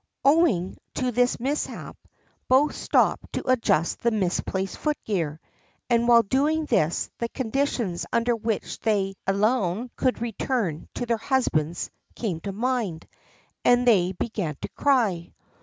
Owing to this mishap both stopped to adjust the misplaced footgear, and while doing this the conditions under which alone they could return to their husbands came to mind, and they began to cry.